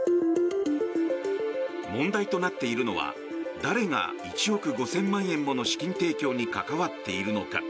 問題となっているのは誰が１億５０００万円もの資金提供に関わっているのか。